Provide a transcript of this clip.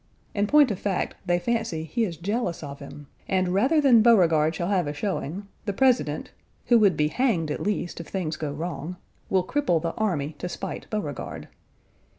In point of fact they fancy he is jealous of him, and rather than Beauregard shall have a showing the President (who would be hanged at least if things go wrong) will cripple the army to spite Beauregard.